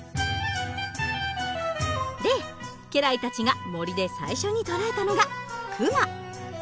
で家来たちが森で最初に捕らえたのがクマ。